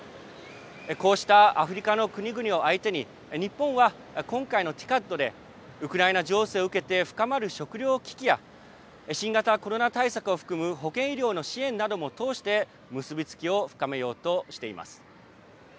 こうしたアフリカの国々を相手に、日本は今回のＴＩＣＡＤで、ウクライナ情勢を受けて深まる食料危機や、新型コロナ対策を含む保健医療の支援なども通して、結び付きを深めようとしています。